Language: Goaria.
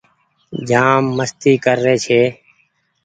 جآم مستي ڪر ري ڇي